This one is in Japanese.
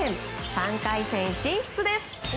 ３回戦進出です。